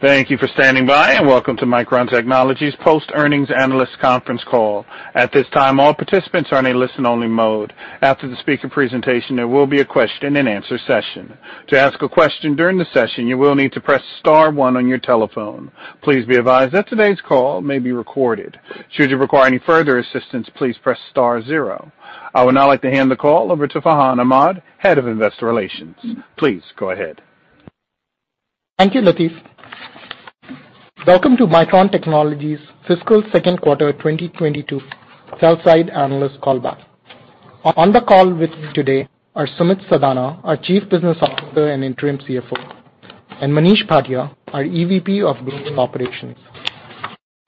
Thank you for standing by and welcome to Micron Technology's post-earnings analyst Conference Call. At this time, all participants are in a listen-only mode. After the speaker presentation, there will be a question-and-answer session. To ask a question during the session, you will need to press star one on your telephone. Please be advised that today's call may be recorded. Should you require any further assistance, please press star zero. I would now like to hand the call over to Farhan Ahmad, Head of Investor Relations. Please go ahead. Thank you, Latif. Welcome to Micron Technology's fiscal second quarter 2022 sell-side analyst call back. On the call with me today are Sumit Sadana, our Chief Business Officer and Interim CFO, and Manish Bhatia, our EVP of Global Operations.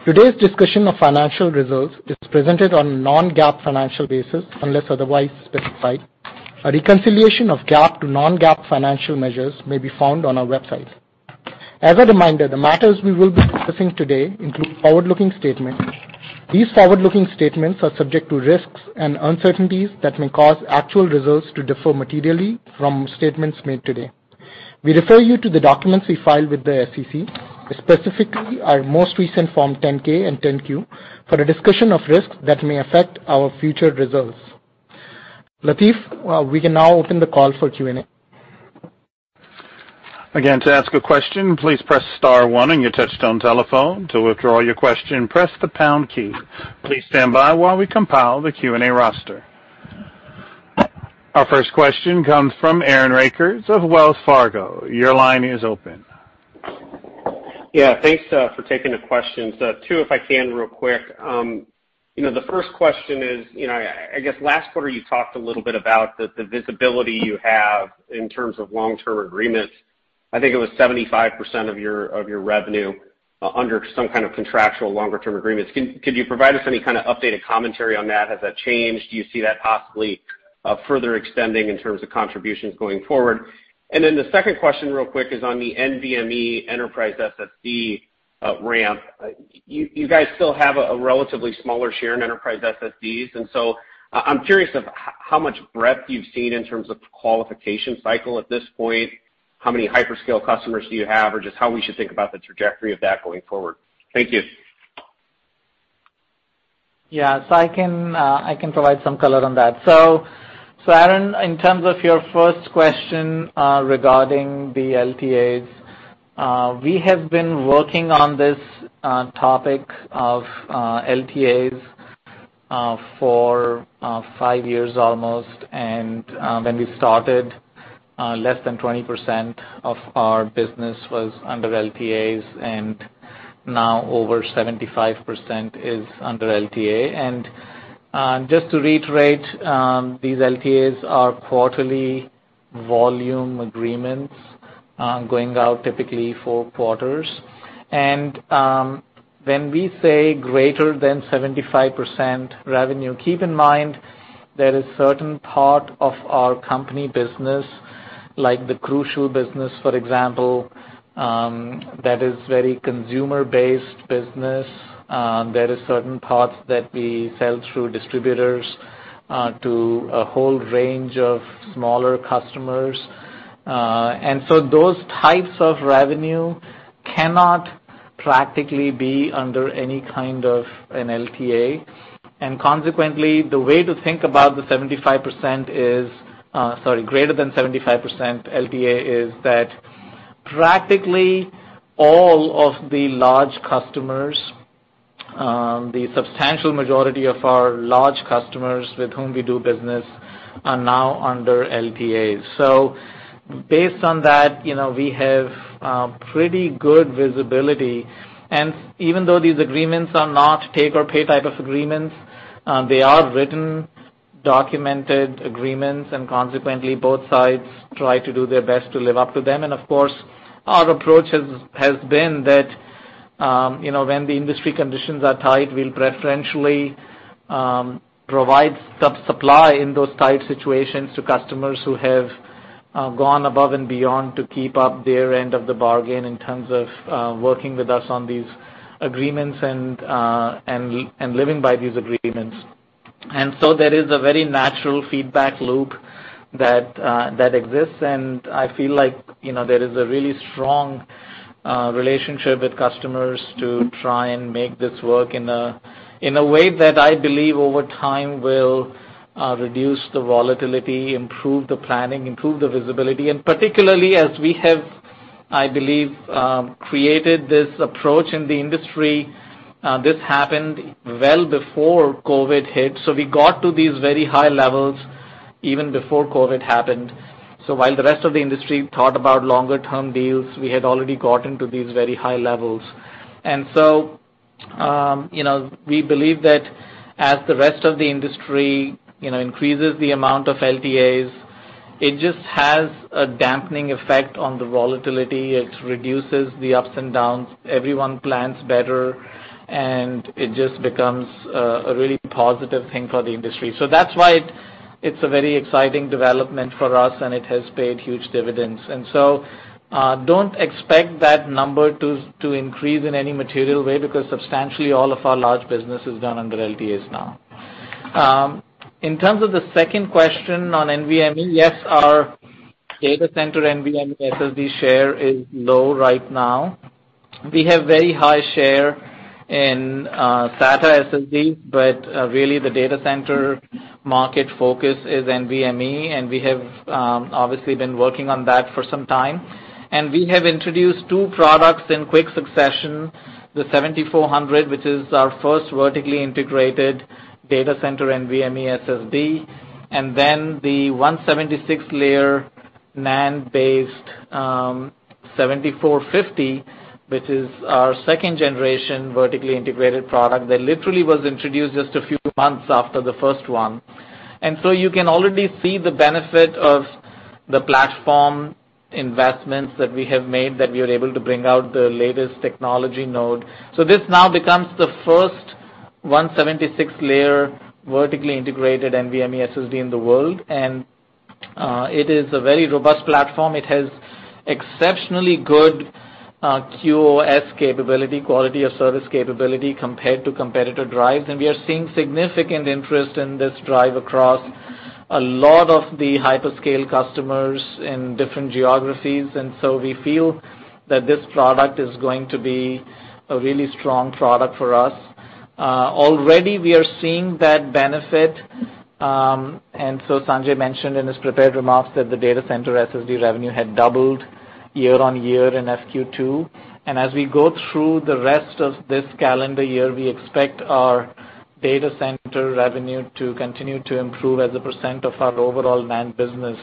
Today's discussion of financial results is presented on a non-GAAP financial basis, unless otherwise specified. A reconciliation of GAAP to non-GAAP financial measures may be found on our website. As a reminder, the matters we will be discussing today include forward-looking statements. These forward-looking statements are subject to risks and uncertainties that may cause actual results to differ materially from statements made today. We refer you to the documents we filed with the SEC, specifically our most recent Form 10-K and 10-Q, for a discussion of risks that may affect our future results. Latif, we can now open the call for Q&A. Again, to ask a question, please press star one on your touchtone telephone. To withdraw your question, press the pound key. Please stand by while we compile the Q&A roster. Our first question comes from Aaron Rakers of Wells Fargo. Your line is open. Thanks for taking the questions. Two, if I can, real quick. You know, the first question is, you know, I guess last quarter you talked a little bit about the visibility you have in terms of long-term agreements. I think it was 75% of your revenue under some kind of contractual longer-term agreements. Could you provide us any kind of updated commentary on that? Has that changed? Do you see that possibly further extending in terms of contributions going forward? The second question, real quick, is on the NVMe enterprise SSD ramp. You guys still have a relatively smaller share in enterprise SSDs. I'm curious of how much breadth you've seen in terms of qualification cycle at this point, how many hyperscale customers do you have, or just how we should think about the trajectory of that going forward? Thank you. I can provide some color on that. Aaron, in terms of your first question, regarding the LTAs, we have been working on this topic of LTAs for five years almost. When we started, less than 20% of our business was under LTAs, and now over 75% is under LTA. Just to reiterate, these LTAs are quarterly volume agreements, going out typically four quarters. When we say greater than 75% revenue, keep in mind there is certain part of our company business, like the Crucial business, for example, that is very consumer-based business. There are certain parts that we sell through distributors to a whole range of smaller customers. Those types of revenue cannot practically be under any kind of an LTA. Consequently, the way to think about the greater than 75% LTA is that practically all of the large customers, the substantial majority of our large customers with whom we do business are now under LTAs. Based on that, we have pretty good visibility. Even though these agreements are not take or pay type of agreements, they are written, documented agreements, and consequently, both sides try to do their best to live up to them. Of course, our approach has been that, you know, when the industry conditions are tight, we'll preferentially provide supply in those tight situations to customers who have gone above and beyond to keep up their end of the bargain in terms of working with us on these agreements and living by these agreements. There is a very natural feedback loop that exists, and I feel like, you know, there is a really strong relationship with customers to try and make this work in a way that I believe over time will reduce the volatility, improve the planning, improve the visibility, and particularly as we have, I believe, created this approach in the industry. This happened well before COVID hit, so we got to these very high levels even before COVID happened. While the rest of the industry thought about longer-term deals, we had already gotten to these very high levels. You know, we believe that as the rest of the industry increases the amount of LTAs, it just has a dampening effect on the volatility. It reduces the ups and downs. Everyone plans better, and it just becomes a really positive thing for the industry. That's why it's a very exciting development for us, and it has paid huge dividends. Don't expect that number to increase in any material way because substantially all of our large business is done under LTAs now. In terms of the second question on NVMe, yes, our data center NVMe SSD share is low right now. We have very high share in SATA SSD, but really the data center market focus is NVMe, and we have obviously been working on that for some time. We have introduced two products in quick succession, the 7400, which is our first vertically integrated data center NVMe SSD, and then the 176-layer NAND-based 7450, which is our second generation vertically integrated product that literally was introduced just a few months after the first one. You can already see the benefit of the platform investments that we have made, that we are able to bring out the latest technology node. This now becomes the first 176-layer vertically integrated NVMe SSD in the world, and it is a very robust platform. It has exceptionally good QoS capability, quality of service capability, compared to competitor drives, and we are seeing significant interest in this drive across a lot of the hyperscale customers in different geographies. We feel that this product is going to be a really strong product for us. Already we are seeing that benefit. Sanjay mentioned in his prepared remarks that the data center SSD revenue had doubled year-over-year in FQ2. As we go through the rest of this calendar year, we expect our data center revenue to continue to improve as a percent of our overall NAND business.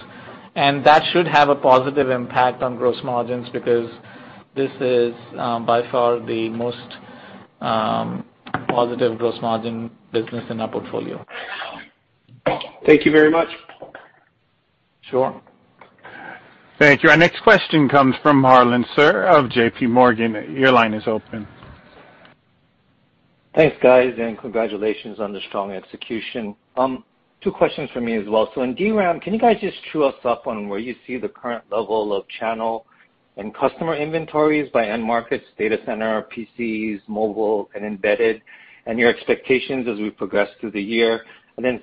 That should have a positive impact on gross margins because this is by far the most positive gross margin business in our portfolio. Thank you very much. Sure. Thank you. Our next question comes from Harlan Sur of J.P. Morgan. Your line is open. Thanks, guys, and congratulations on the strong execution. Two questions from me as well. In DRAM, can you guys just catch us up on where you see the current level of channel and customer inventories by end markets, data center, PCs, mobile and embedded, and your expectations as we progress through the year?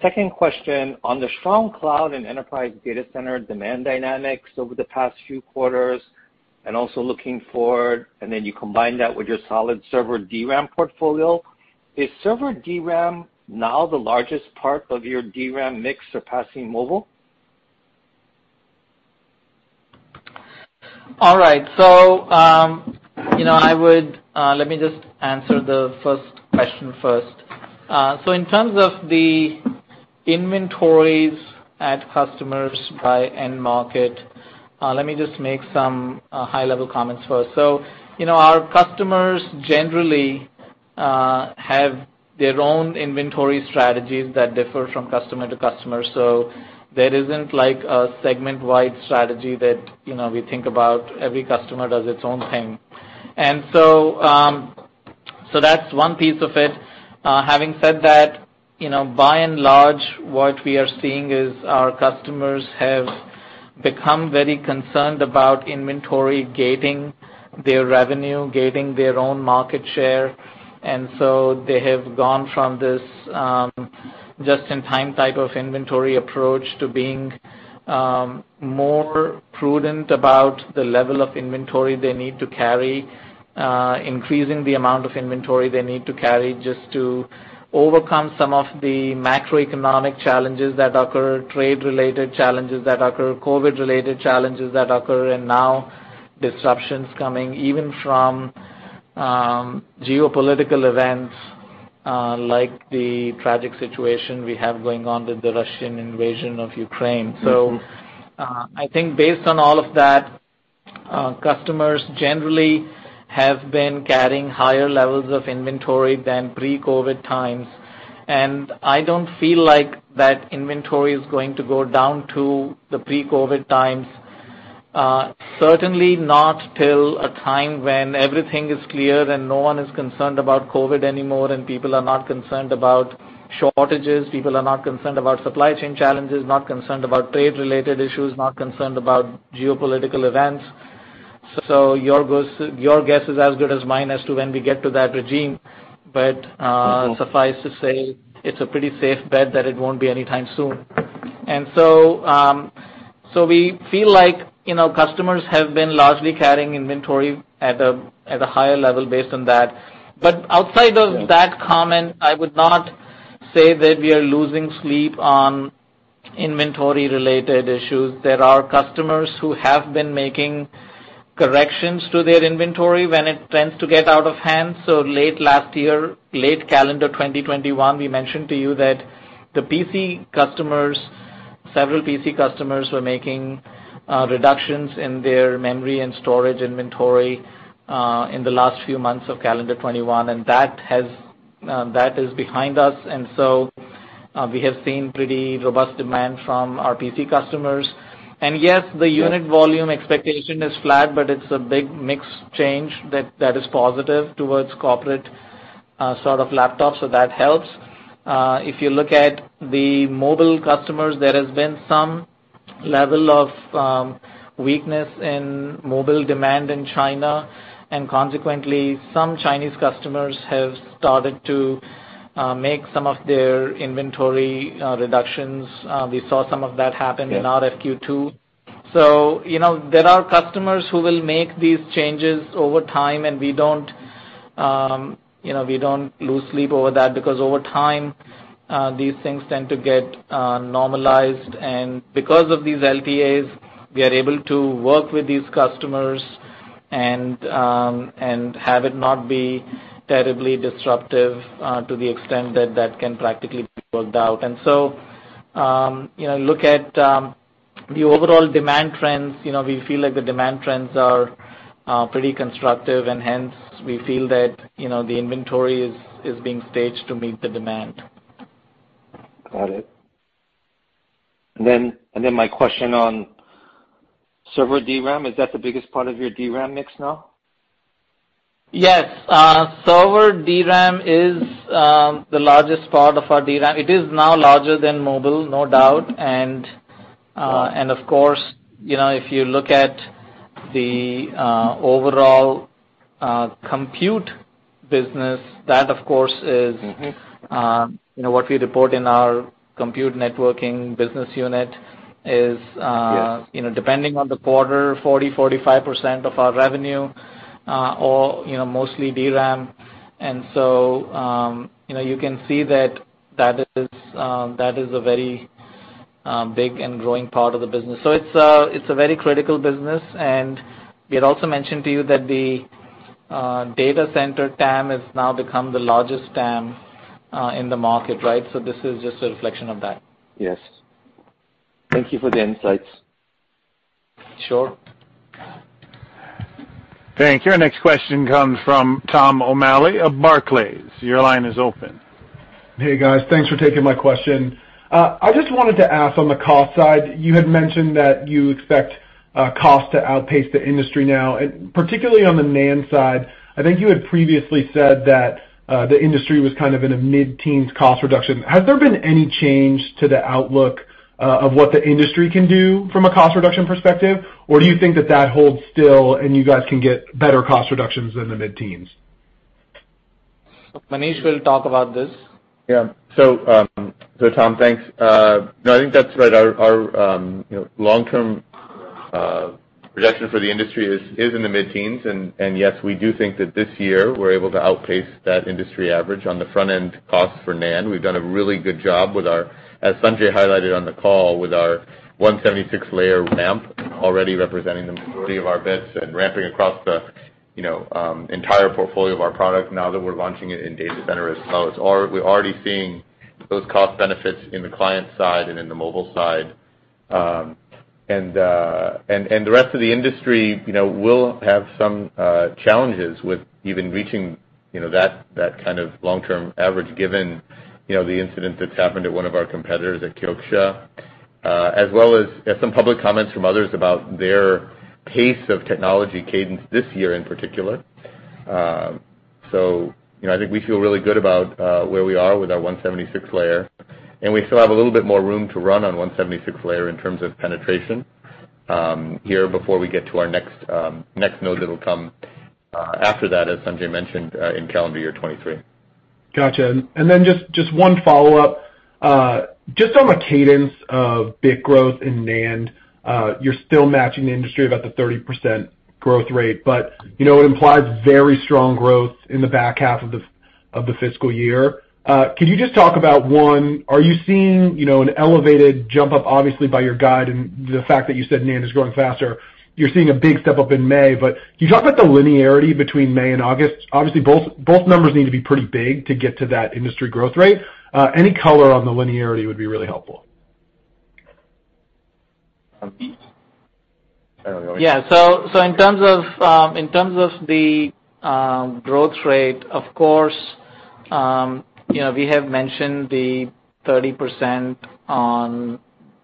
Second question, on the strong cloud and enterprise data center demand dynamics over the past few quarters, and also looking forward, and then you combine that with your solid server DRAM portfolio, is server DRAM now the largest part of your DRAM mix surpassing mobile? All right. You know, let me just answer the first question first. In terms of the inventories at customers by end market, let me just make some high-level comments first. You know, our customers generally have their own inventory strategies that differ from customer to customer. There isn't like a segment-wide strategy that, you know, we think about. Every customer does its own thing. That's one piece of it. Having said that, you know, by and large, what we are seeing is our customers have become very concerned about inventory gating their revenue, gating their own market share. They have gone from this just-in-time type of inventory approach to being more prudent about the level of inventory they need to carry, increasing the amount of inventory they need to carry just to overcome some of the macroeconomic challenges that occur, trade-related challenges that occur, COVID-related challenges that occur, and now disruptions coming even from geopolitical events, like the tragic situation we have going on with the Russian invasion of Ukraine. I think based on all of that, customers generally have been carrying higher levels of inventory than pre-COVID times. I don't feel like that inventory is going to go down to the pre-COVID times, certainly not till a time when everything is clear and no one is concerned about COVID anymore, and people are not concerned about shortages, people are not concerned about supply chain challenges, not concerned about trade-related issues, not concerned about geopolitical events. Your guess is as good as mine as to when we get to that regime. Suffice to say, it's a pretty safe bet that it won't be anytime soon. We feel like, you know, customers have been largely carrying inventory at a higher level based on that. Outside of that comment, I would not say that we are losing sleep on inventory-related issues. There are customers who have been making corrections to their inventory when it tends to get out of hand. Late last year, late calendar 2021, we mentioned to you that the PC customers, several PC customers were making reductions in their memory and storage inventory in the last few months of calendar 2021, and that has, that is behind us. We have seen pretty robust demand from our PC customers. Yes, the unit volume expectation is flat, but it's a big mix change that is positive towards corporate sort of laptops, so that helps. If you look at the mobile customers, there has been some level of weakness in mobile demand in China and consequently, some Chinese customers have started to make some of their inventory reductions. We saw some of that happen in our FQ2. You know, there are customers who will make these changes over time, and we don't lose sleep over that because over time these things tend to get normalized. Because of these LTAs, we are able to work with these customers and have it not be terribly disruptive to the extent that that can practically be worked out. You know, look at the overall demand trends. You know, we feel like the demand trends are pretty constructive, and hence we feel that the inventory is being staged to meet the demand. Got it. My question on server DRAM, is that the biggest part of your DRAM mix now? Yes. Server DRAM is the largest part of our DRAM. It is now larger than mobile, no doubt. Of course, you know, if you look at the overall compute business, that of course is. Mm-hmm. You know, what we report in our compute networking business unit is, Yes You know, depending on the quarter, 40%-45% of our revenue, or, you know, mostly DRAM. You can see that is a very big and growing part of the business. It's a very critical business, and we had also mentioned to you that the data center TAM has now become the largest TAM in the market, right? This is just a reflection of that. Yes. Thank you for the insights. Sure. Thank you. Next question comes from Tom O'Malley of Barclays. Your line is open. Hey, guys. Thanks for taking my question. I just wanted to ask on the cost side, you had mentioned that you expect cost to outpace the industry now. Particularly on the NAND side, I think you had previously said that the industry was kind of in a mid-teens cost reduction. Has there been any change to the outlook of what the industry can do from a cost reduction perspective, or do you think that that holds still and you guys can get better cost reductions in the mid-teens? Manish will talk about this. Tom, thanks. No, I think that's right. Our you know, long-term projection for the industry is in the mid-teens, and yes, we do think that this year we're able to outpace that industry average on the front-end cost for NAND. We've done a really good job with our, as Sanjay highlighted on the call, with our 176-layer ramp already representing the majority of our bits and ramping across the you know, entire portfolio of our product now that we're launching it in data center as well. We're already seeing those cost benefits in the client side and in the mobile side. The rest of the industry, you know, will have some challenges with even reaching, you know, that kind of long-term average given, you know, the incident that's happened at one of our competitors at Kioxia, as well as some public comments from others about their pace of technology cadence this year in particular. You know, I think we feel really good about where we are with our 176-layer, and we still have a little bit more room to run on 176-layer in terms of penetration here before we get to our next node that'll come after that, as Sanjay mentioned, in calendar year 2023. Gotcha. Just one follow-up. Just on the cadence of bit growth in NAND, you're still matching the industry about the 30% growth rate, but you know, it implies very strong growth in the back half of the fiscal year. Could you just talk about one, are you seeing you know, an elevated jump up, obviously, by your guide and the fact that you said NAND is growing faster, you're seeing a big step up in May, but can you talk about the linearity between May and August? Obviously, both numbers need to be pretty big to get to that industry growth rate. Any color on the linearity would be really helpful. Yeah. In terms of the growth rate, of course, you know, we have mentioned the 30% on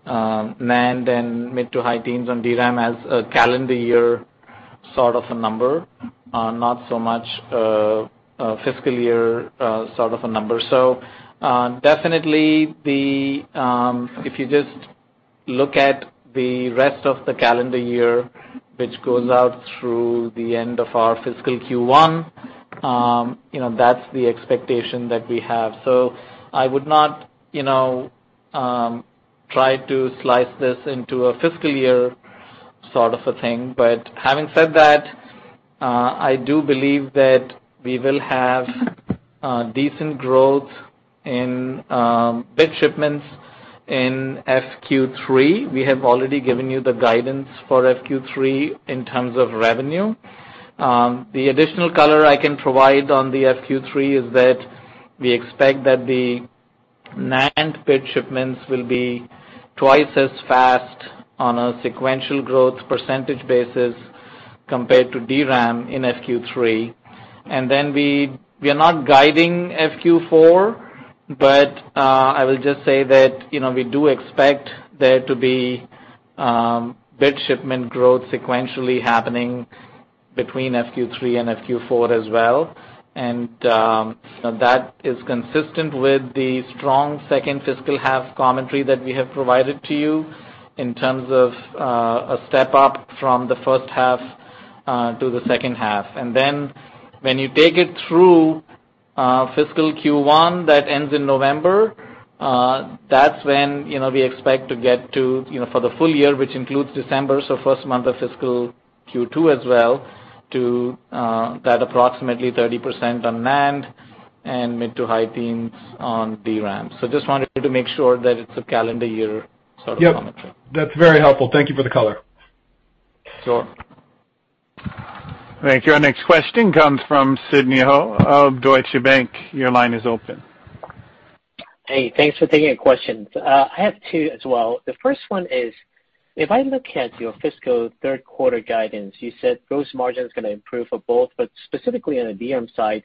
NAND and mid- to high-teens% on DRAM as a calendar year sort of a number, not so much a fiscal year sort of a number. Definitely, if you just look at the rest of the calendar year, which goes out through the end of our FQ1, you know, that is the expectation that we have. I would not, you know, try to slice this into a fiscal year sort of a thing. But having said that, I do believe that we will have decent growth in bit shipments in FQ3. We have already given you the guidance for FQ3 in terms of revenue. The additional color I can provide on the FQ3 is that we expect that the NAND bit shipments will be twice as fast on a sequential growth percentage basis compared to DRAM in FQ3. Then we are not guiding FQ4, but I will just say that, you know, we do expect there to be bit shipment growth sequentially happening between FQ3 and FQ4 as well. That is consistent with the strong second fiscal half commentary that we have provided to you in terms of a step up from the first half to the second half. Then when you take it through fiscal Q1 that ends in November, that's when, you know, we expect to get to, you know, for the full year, which includes December, so first month of fiscal Q2 as well, to that approximately 30% on NAND and mid- to high-teens% on DRAM. Just wanted to make sure that it's a calendar year sort of commentary. Yep. That's very helpful. Thank you for the color. Sure. Thank you. Our next question comes from Sidney Ho of Deutsche Bank. Your line is open. Hey, thanks for taking a question. I have two as well. The first one is, if I look at your fiscal third quarter guidance, you said gross margin is gonna improve for both, but specifically on the DRAM side,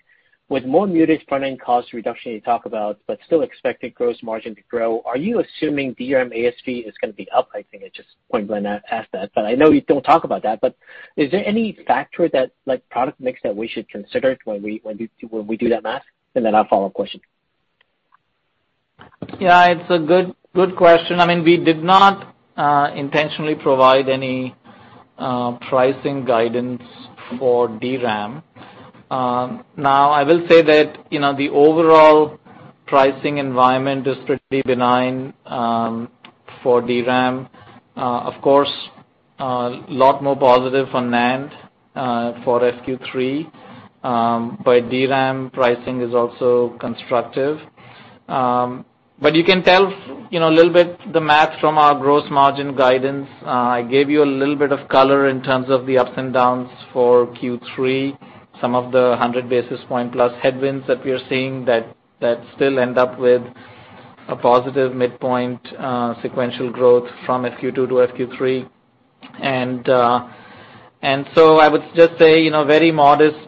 with more muted front-end cost reduction you talk about but still expected gross margin to grow, are you assuming DRAM ASP is gonna be up? I think it's just point blank ask that, but I know you don't talk about that. But is there any factor that, like product mix that we should consider when we do that math? And then a follow-up question. Yeah, it's a good question. I mean, we did not intentionally provide any pricing guidance for DRAM. Now, I will say that, you know, the overall pricing environment is strictly benign for DRAM. Of course, a lot more positive on NAND for FQ3. But DRAM pricing is also constructive. But you can tell, you know, a little bit the math from our gross margin guidance. I gave you a little bit of color in terms of the ups and downs for Q3, some of the 100 basis point plus headwinds that we are seeing that still end up with a positive midpoint, sequential growth from FQ2 to FQ3. I would just say, you know, very modest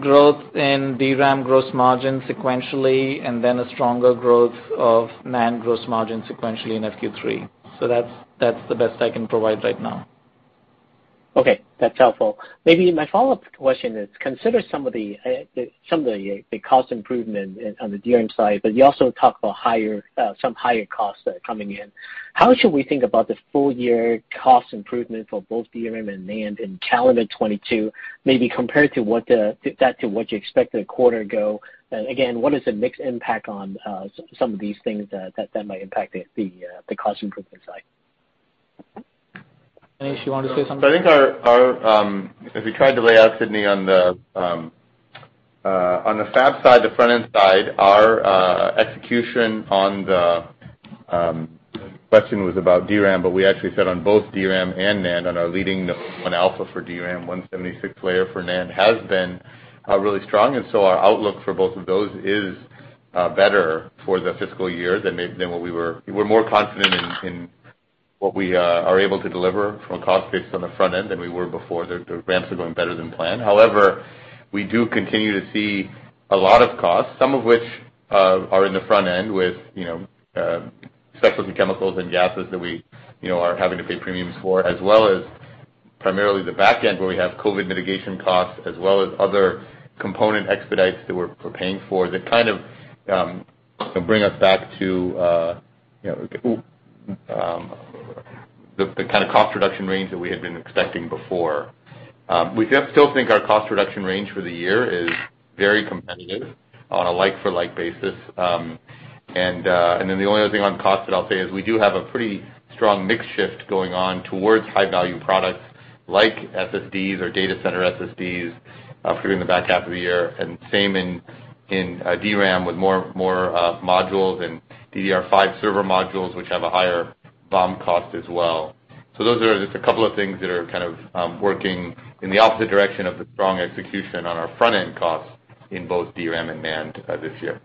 growth in DRAM gross margin sequentially, and then a stronger growth of NAND gross margin sequentially in FQ3. That's the best I can provide right now. Okay, that's helpful. Maybe my follow-up question is, consider some of the cost improvement on the DRAM side, but you also talk about some higher costs that are coming in. How should we think about the full year cost improvement for both DRAM and NAND in calendar 2022, maybe compared to what you expected a quarter ago? Again, what is the mixed impact on some of these things that might impact the cost improvement side? Manish, you want to say something? I think our as we tried to lay out Sydney on the fab side, the front-end side, our execution on the question was about DRAM, but we actually said on both DRAM and NAND on our leading 1-alpha for DRAM, 176-layer for NAND has been really strong. Our outlook for both of those is better for the fiscal year than maybe than what we were. We're more confident in what we are able to deliver from a cost base on the front end than we were before. The ramps are going better than planned. However, we do continue to see a lot of costs, some of which are in the front end with, you know, specialty chemicals and gases that we, you know, are having to pay premiums for, as well as primarily the back end, where we have COVID mitigation costs, as well as other component expedites that we're paying for, that kind of bring us back to, you know, the kind of cost reduction range that we had been expecting before. We still think our cost reduction range for the year is very competitive on a like-for-like basis. The only other thing on cost that I'll say is we do have a pretty strong mix shift going on towards high-value products like SSDs or data center SSDs in the back half of the year, and same in DRAM with more modules and DDR5 server modules, which have a higher BOM cost as well. Those are just a couple of things that are kind of working in the opposite direction of the strong execution on our front-end costs in both DRAM and NAND this year.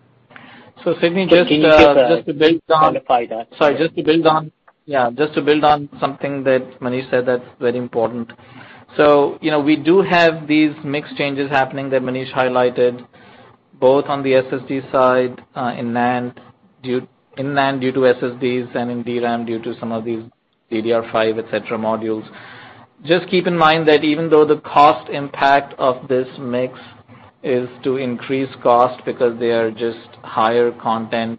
Sidney, just to build on. Can you just clarify that? Sorry, just to build on something that Manish said that's very important. You know, we do have these mix changes happening that Manish highlighted, both on the SSD side, in NAND due to SSDs and in DRAM due to some of these DDR5, et cetera, modules. Just keep in mind that even though the cost impact of this mix is to increase cost because they are just higher content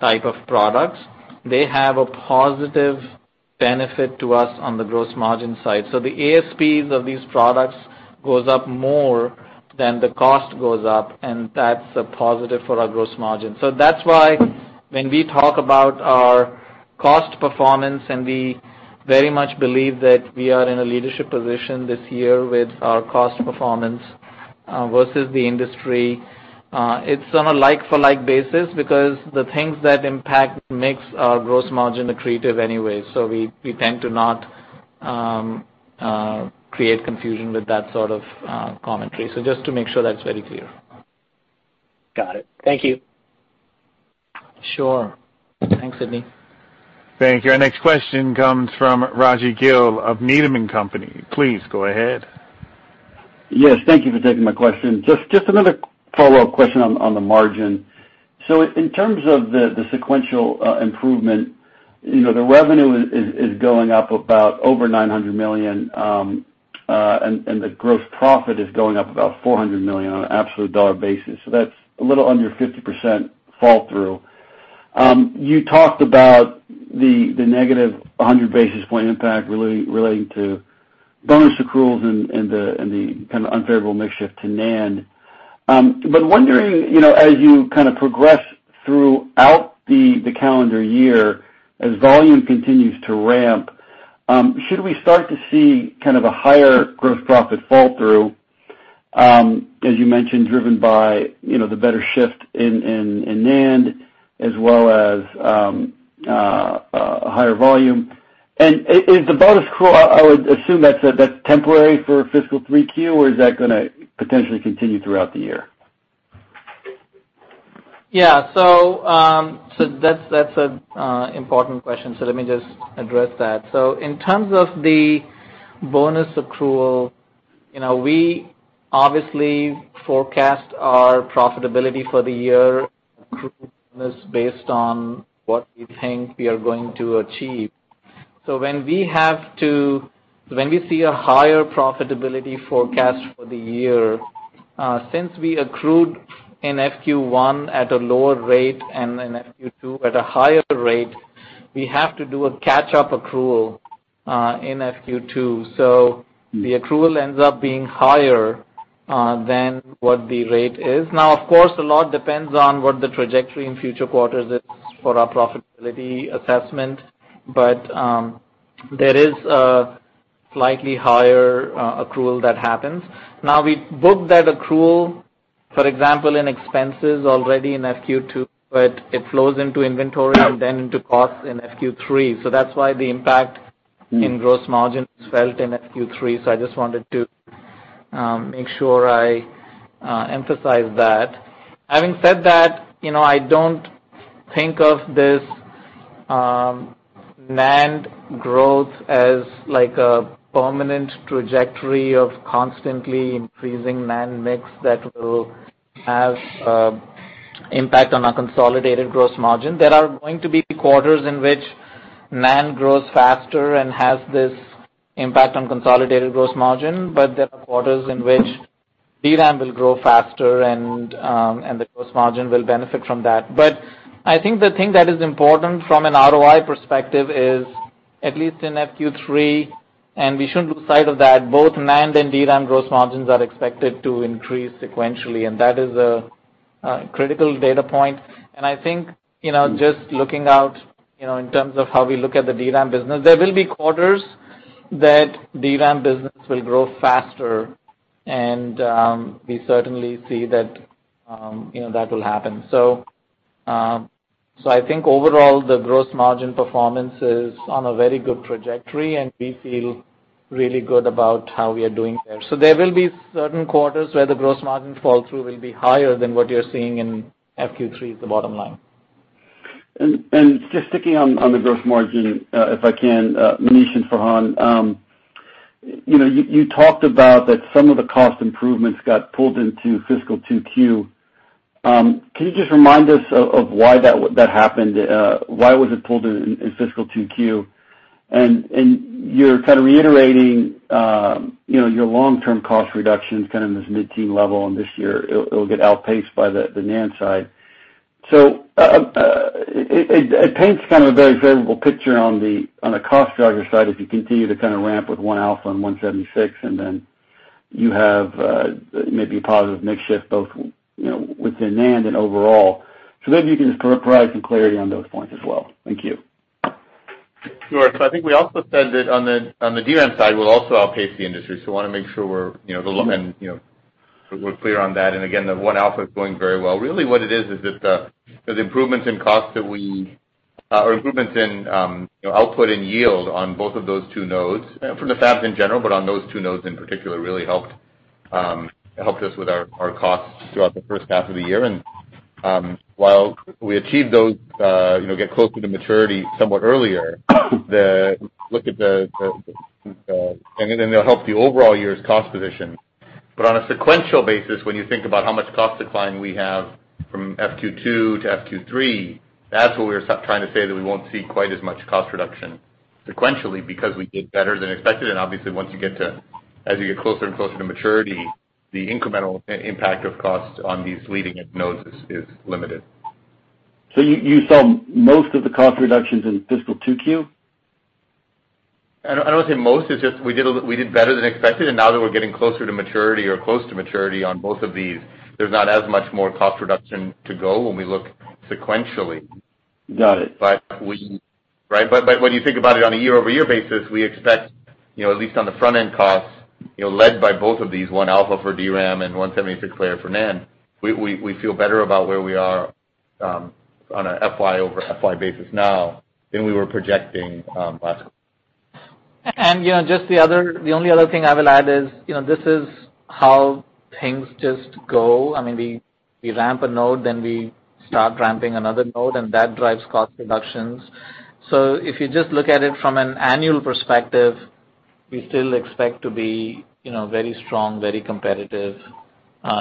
type of products, they have a positive benefit to us on the gross margin side. The ASPs of these products goes up more than the cost goes up, and that's a positive for our gross margin. That's why when we talk about our cost performance, and we very much believe that we are in a leadership position this year with our cost performance versus the industry, it's on a like-for-like basis because the things that impact mix are gross margin accretive anyway. We tend to not create confusion with that sort of commentary. Just to make sure that's very clear. Got it. Thank you. Sure. Thanks, Sidney. Thank you. Our next question comes from Raji Gill of Needham & Company. Please go ahead. Yes, thank you for taking my question. Just another follow-up question on the margin. In terms of the sequential improvement, the revenue is going up about over $900 million, and the gross profit is going up about $400 million on an absolute dollar basis. That's a little under 50% fall through. You talked about the negative 100 basis point impact relating to bonus accruals and the kind of unfavorable mix shift to NAND. Wondering, you know, as you kind of progress throughout the calendar year, as volume continues to ramp, should we start to see kind of a higher gross profit fall through, as you mentioned, driven by, you know, the better shift in NAND as well as a higher volume? Is the bonus accrual, I would assume that's temporary for fiscal 3`Q, or is that gonna potentially continue throughout the year? That's an important question, let me just address that. In terms of the bonus accrual, you know, we obviously forecast our profitability for the year is based on what we think we are going to achieve. When we see a higher profitability forecast for the year, since we accrued in FQ1 at a lower rate and in FQ2 at a higher rate, we have to do a catch-up accrual in FQ2. The accrual ends up being higher than what the rate is. Now, of course, a lot depends on what the trajectory in future quarters is for our profitability assessment, but there is a slightly higher accrual that happens. Now, we book that accrual, for example, in expenses already in FQ 2, but it flows into inventory and then into costs in FQ 3. That's why the impact in gross margin is felt in FQ 3, I just wanted to make sure I emphasize that. Having said that, you know, I don't think of this NAND growth as like a permanent trajectory of constantly increasing NAND mix that will have impact on our consolidated gross margin. There are going to be quarters in which NAND grows faster and has this impact on consolidated gross margin, but there are quarters in which DRAM will grow faster and the gross margin will benefit from that. I think the thing that is important from an ROI perspective is at least in FQ3, and we shouldn't lose sight of that, both NAND and DRAM gross margins are expected to increase sequentially, and that is a critical data point. I think, you know, just looking out, you know, in terms of how we look at the DRAM business, there will be quarters that DRAM business will grow faster, and we certainly see that, you know, that will happen. I think overall, the gross margin performance is on a very good trajectory, and we feel really good about how we are doing there. There will be certain quarters where the gross margin fall through will be higher than what you're seeing in FQ3 is the bottom line. Sticking on the gross margin, if I can, Manish and Farhan, you know, you talked about that some of the cost improvements got pulled into fiscal 2Q. Can you just remind us of why that happened? Why was it pulled in fiscal 2Q? You're kind of reiterating, you know, your long-term cost reduction is kind of in this mid-teen level, and this year it'll get outpaced by the NAND side. It paints kind of a very favorable picture on the cost driver side, if you continue to kind of ramp with 1-alpha and 176-layer, and then you have maybe a positive mix shift both, you know, within NAND and overall. Maybe you can just provide some clarity on those points as well. Thank you. Sure. I think we also said that on the DRAM side, we'll also outpace the industry. Wanna make sure we're, you know, and, you know, we're clear on that. Again, the 1-alpha is going very well. Really what it is that the improvements in output and yield on both of those two nodes for the fabs in general, but on those two nodes in particular, really helped us with our costs throughout the first half of the year. While we achieved those, you know, get closer to maturity somewhat earlier, they'll help the overall year's cost position. On a sequential basis, when you think about how much cost decline we have from FQ 2 to FQ 3, that's where we're trying to say that we won't see quite as much cost reduction sequentially because we did better than expected, and obviously once you get to as you get closer and closer to maturity, the incremental impact of cost on these leading-edge nodes is limited. You saw most of the cost reductions in fiscal 2Q? I don't say most. It's just we did better than expected, and now that we're getting closer to maturity or close to maturity on both of these, there's not as much more cost reduction to go when we look sequentially. Got it. When you think about it on a year-over-year basis, we expect, you know, at least on the front-end costs, you know, led by both of these, 1-alpha for DRAM and 176-layer for NAND, we feel better about where we are on a FY-over-FY basis now than we were projecting last quarter. You know, the only other thing I will add is, you know, this is how things just go. I mean, we ramp a node, then we start ramping another node, and that drives cost reductions. If you just look at it from an annual perspective. We still expect to be, you know, very strong, very competitive,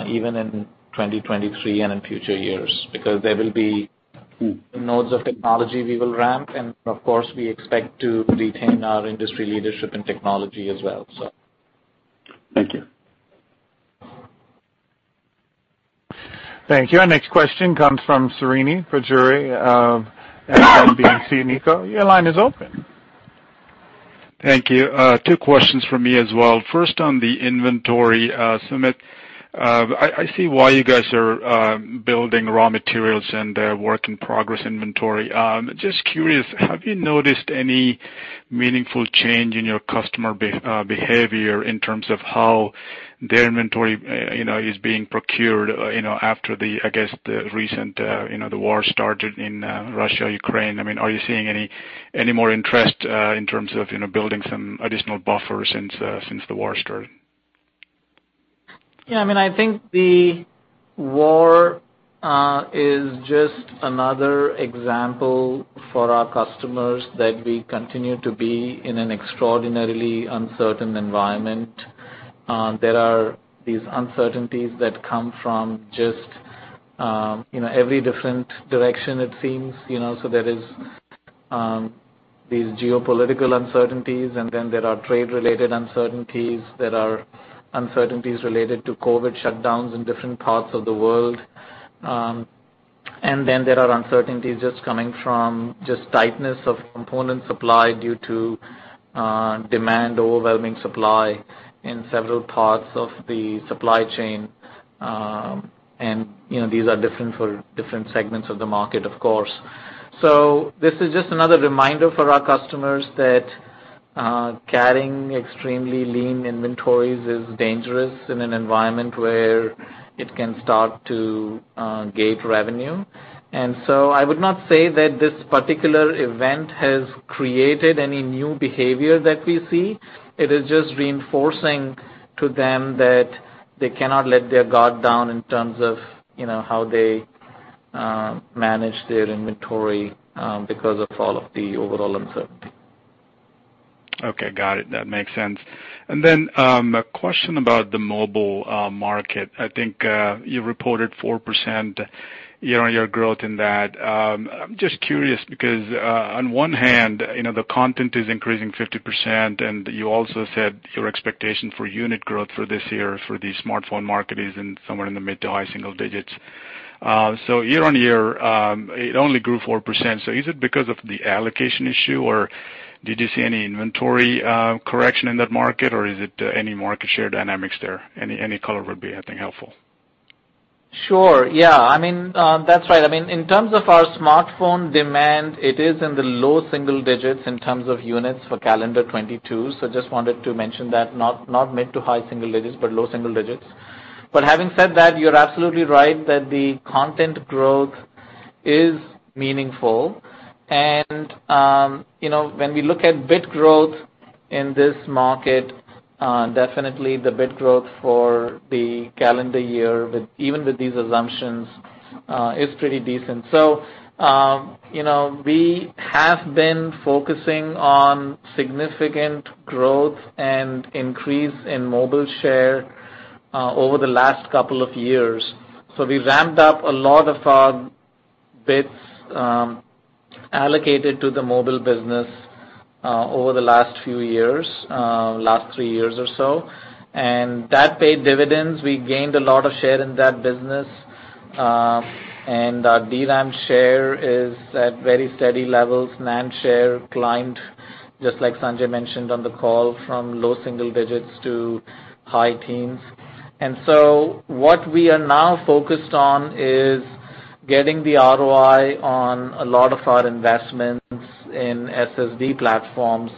even in 2023 and in future years, because there will be nodes of technology we will ramp, and of course, we expect to retain our industry leadership in technology as well. Thank you. Thank you. Our next question comes from Srini Pajjuri of SMBC Nikko Securities America. Your line is open. Thank you. Two questions from me as well. First, on the inventory, Sumit, I see why you guys are building raw materials and work in progress inventory. Just curious, have you noticed any meaningful change in your customer behavior in terms of how their inventory you know, is being procured, you know, after the, I guess, the recent, you know, the war started in Russia, Ukraine? I mean, are you seeing any more interest in terms of you know, building some additional buffer since the war started? Yeah, I mean, I think the war is just another example for our customers that we continue to be in an extraordinarily uncertain environment. There are these uncertainties that come from just, you know, every different direction it seems, you know. There is these geopolitical uncertainties, and then there are trade-related uncertainties. There are uncertainties related to COVID shutdowns in different parts of the world. And then there are uncertainties just coming from just tightness of component supply due to demand overwhelming supply in several parts of the supply chain. And, you know, these are different for different segments of the market, of course. This is just another reminder for our customers that carrying extremely lean inventories is dangerous in an environment where it can start to gate revenue. I would not say that this particular event has created any new behavior that we see. It is just reinforcing to them that they cannot let their guard down in terms of, you know, how they manage their inventory, because of all of the overall uncertainty. Okay, got it. That makes sense. Then, a question about the mobile market. I think you reported 4% year-on-year growth in that. I'm just curious because, on one hand, you know, the content is increasing 50%, and you also said your expectation for unit growth for this year for the smartphone market is somewhere in the mid- to high-single-digits. So year-on-year, it only grew 4%. Is it because of the allocation issue, or did you see any inventory correction in that market, or is it any market share dynamics there? Any color would be, I think, helpful. Sure. Yeah. I mean, that's right. I mean, in terms of our smartphone demand, it is in the low single digits in terms of units for calendar 2022. Just wanted to mention that not mid- to high-single-digits, but low-single-digits. Having said that, you're absolutely right that the content growth is meaningful. You know, when we look at bit growth in this market, definitely the bit growth for the calendar year, even with these assumptions, is pretty decent. You know, we have been focusing on significant growth and increase in mobile share over the last couple of years. We ramped up a lot of our bits allocated to the mobile business over the last few years, last three years or so. That paid dividends. We gained a lot of share in that business. Our DRAM share is at very steady levels. NAND share climbed, just like Sanjay mentioned on the call, from low-single-digits to high teens. What we are now focused on is getting the ROI on a lot of our investments in SSD platforms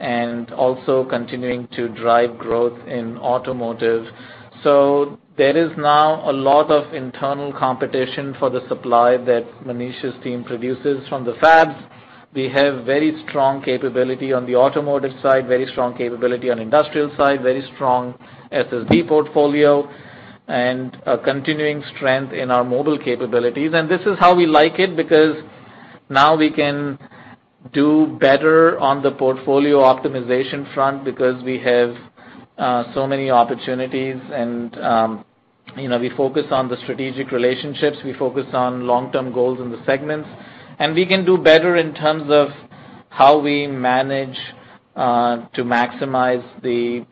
and also continuing to drive growth in automotive. There is now a lot of internal competition for the supply that Manish's team produces from the fabs. We have very strong capability on the automotive side, very strong capability on industrial side, very strong SSD portfolio, and a continuing strength in our mobile capabilities. This is how we like it because now we can do better on the portfolio optimization front because we have so many opportunities and, you know, we focus on the strategic relationships, we focus on long-term goals in the segments, and we can do better in terms of how we manage to maximize the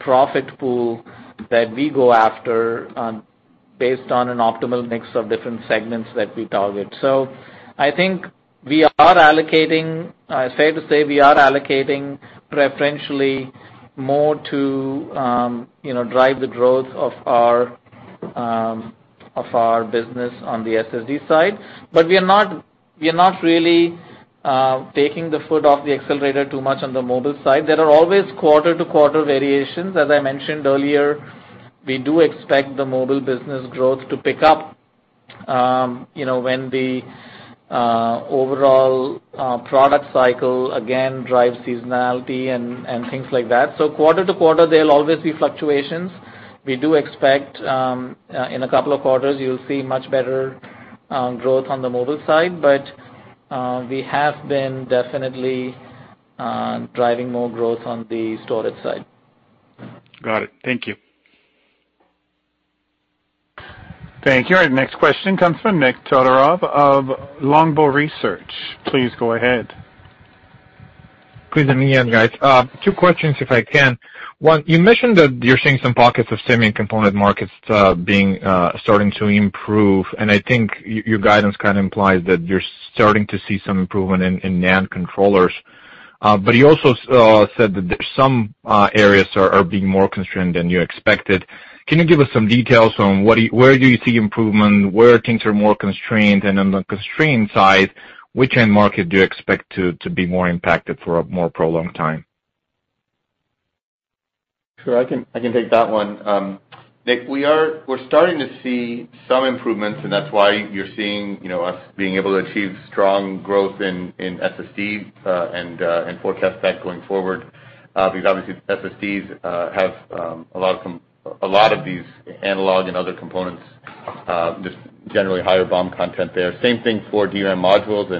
profit pool that we go after, based on an optimal mix of different segments that we target. I think, fair to say, we are allocating preferentially more to, you know, drive the growth of our business on the SSD side. We are not really taking the foot off the accelerator too much on the mobile side. There are always quarter-to-quarter variations. As I mentioned earlier, we do expect the mobile business growth to pick up, you know, when the overall product cycle again drives seasonality and things like that. Quarter to quarter, there'll always be fluctuations. We do expect, in a couple of quarters, you'll see much better growth on the mobile side, but we have been definitely driving more growth on the storage side. Got it. Thank you. Thank you. Our next question comes from Nick Todorov of Longbow Research. Please go ahead. Please let me in, guys. Two questions, if I can. One, you mentioned that you're seeing some pockets of semi-component markets being starting to improve, and I think your guidance kinda implies that you're starting to see some improvement in NAND controllers. You also said that there's some areas are being more constrained than you expected. Can you give us some details on where do you see improvement, where things are more constrained? On the constrained side, which end market do you expect to be more impacted for a more prolonged time? Sure. I can take that one. Nick, we're starting to see some improvements, and that's why you're seeing us being able to achieve strong growth in SSD and forecast that going forward. Because obviously SSDs have a lot of these analog and other components, just generally higher BOM content there. Same thing for DRAM modules.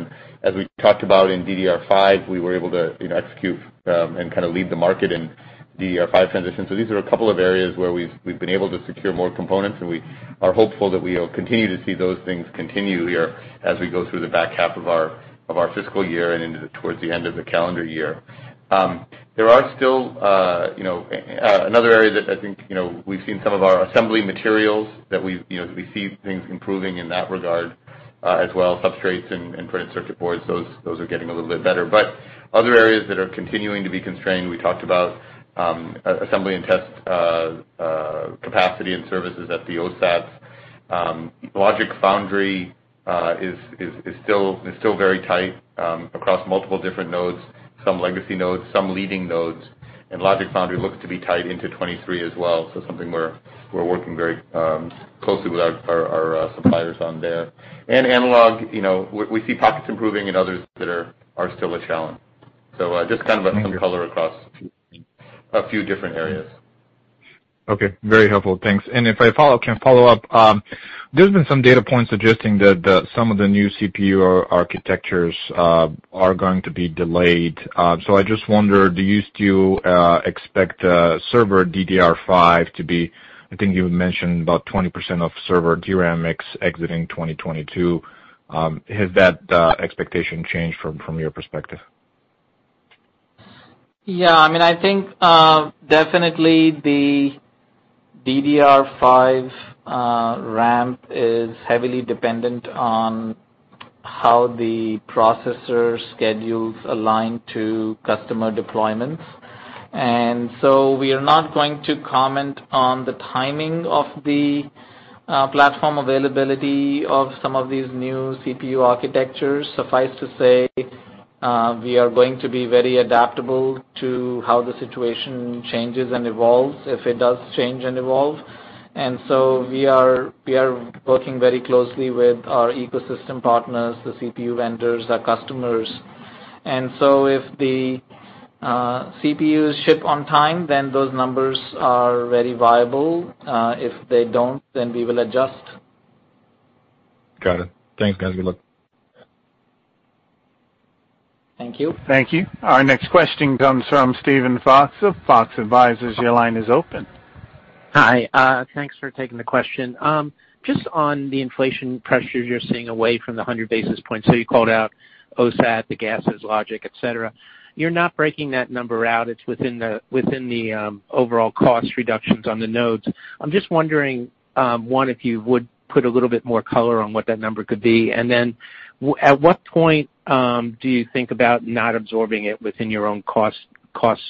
As we talked about in DDR5, we were able to execute and kinda lead the market in DDR5 transition. These are a couple of areas where we've been able to secure more components, and we are hopeful that we'll continue to see those things continue here as we go through the back half of our fiscal year and towards the end of the calendar year. There are still, you know, another area that I think, you know, we've seen some of our assembly materials, you know, we see things improving in that regard, as well, substrates and printed circuit boards, those are getting a little bit better. Other areas that are continuing to be constrained, we talked about, assembly and test capacity and services at the OSAT. Logic foundry is still very tight across multiple different nodes, some legacy nodes, some leading nodes. Logic foundry looks to be tight into 2023 as well, so something we're working very closely with our suppliers on there. Analog, you know, we see pockets improving and others that are still a challenge. Just kind of a color across a few different areas. Okay. Very helpful. Thanks. If I can follow up, there's been some data points suggesting that some of the new CPU architectures are going to be delayed. I just wonder, do you still expect server DDR5 to be... I think you had mentioned about 20% of server DRAM mix exiting 2022. Has that expectation changed from your perspective? Yeah, I mean, I think definitely the DDR5 ramp is heavily dependent on how the processor schedules align to customer deployments. We are not going to comment on the timing of the platform availability of some of these new CPU architectures. Suffice to say, we are going to be very adaptable to how the situation changes and evolves, if it does change and evolve. We are working very closely with our ecosystem partners, the CPU vendors, our customers. If the CPUs ship on time, then those numbers are very viable. If they don't, then we will adjust. Got it. Thanks, guys. Good luck. Thank you. Thank you. Our next question comes from Steven Fox of Fox Advisors. Your line is open. Hi. Thanks for taking the question. Just on the inflation pressures you're seeing away from the 100 basis points. You called out OSAT, the gases, logic, et cetera. You're not breaking that number out. It's within the overall cost reductions on the nodes. I'm just wondering, one, if you would put a little bit more color on what that number could be, and then at what point do you think about not absorbing it within your own cost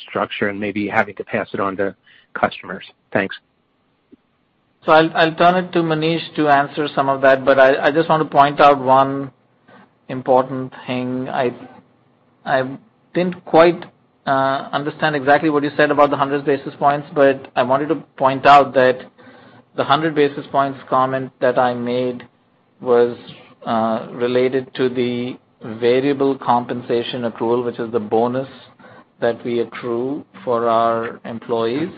structure and maybe having to pass it on to customers? Thanks. I'll turn it to Manish to answer some of that, but I just want to point out one important thing. I didn't quite understand exactly what you said about the 100 basis points, but I wanted to point out that the 100 basis points comment that I made was related to the variable compensation accrual, which is the bonus that we accrue for our employees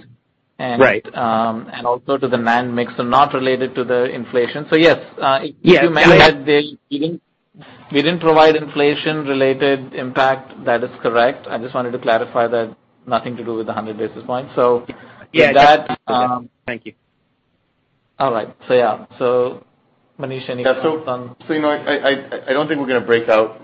and Right. Also to the NAND mix and not related to the inflation. Yes, Yeah, go ahead. If you remember that they didn't, we didn't provide inflation-related impact, that is correct. I just wanted to clarify that nothing to do with the 100 basis points. With that, Yeah. Thank you. All right. Yeah. Manish, any comments on- Yeah. You know, I don't think we're gonna break out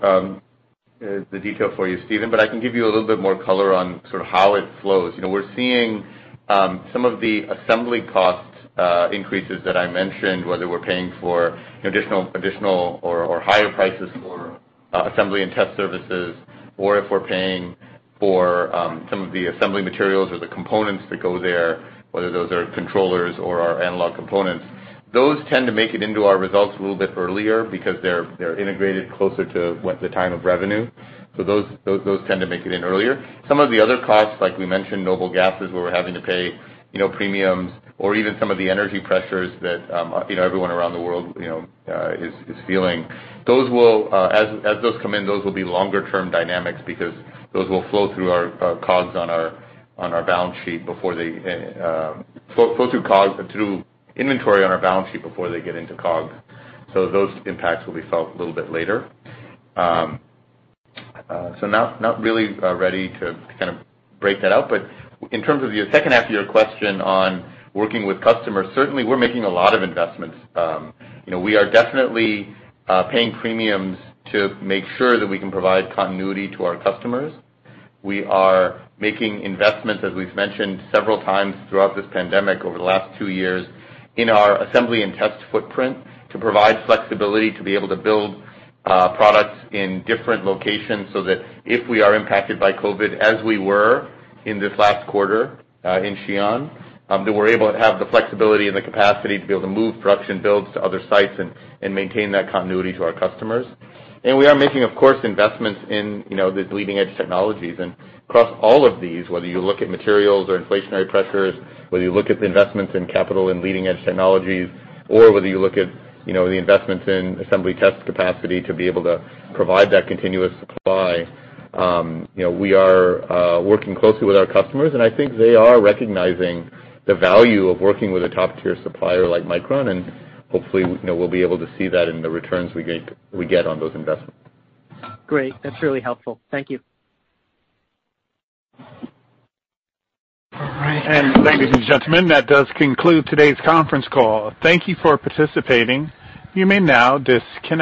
the detail for you, Stephen, but I can give you a little bit more color on sort of how it flows. You know, we're seeing some of the assembly cost increases that I mentioned, whether we're paying for additional or higher prices for assembly and test services or if we're paying for some of the assembly materials or the components that go there, whether those are controllers or our analog components. Those tend to make it into our results a little bit earlier because they're integrated closer to the time of revenue. Those tend to make it in earlier. Some of the other costs, like we mentioned, noble gases, where we're having to pay, you know, premiums or even some of the energy pressures that, you know, everyone around the world, you know, is feeling. Those will, as those come in, those will be longer term dynamics because those will flow through our COGS on our balance sheet before they flow through COGS, through inventory on our balance sheet before they get into COGS. Those impacts will be felt a little bit later. Not really ready to kind of break that out. In terms of the second half of your question on working with customers, certainly we're making a lot of investments. You know, we are definitely paying premiums to make sure that we can provide continuity to our customers. We are making investments, as we've mentioned several times throughout this pandemic over the last two years, in our assembly and test footprint to provide flexibility to be able to build products in different locations, so that if we are impacted by COVID, as we were in this last quarter, in Xi'an, that we're able to have the flexibility and the capacity to be able to move production builds to other sites and maintain that continuity to our customers. We are making, of course, investments in you know, the leading-edge technologies. Across all of these, whether you look at materials or inflationary pressures, whether you look at the investments in capital and leading-edge technologies, or whether you look at, you know, the investments in assembly test capacity to be able to provide that continuous supply, you know, we are working closely with our customers, and I think they are recognizing the value of working with a top-tier supplier like Micron, and hopefully, you know, we'll be able to see that in the returns we get on those investments. Great. That's really helpful. Thank you. All right. Ladies and gentlemen, that does conclude today's conference call. Thank you for participating. You may now disconnect.